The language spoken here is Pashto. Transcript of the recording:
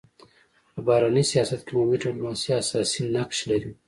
په بهرني سیاست کي عمومي ډيپلوماسي اساسي نقش لري.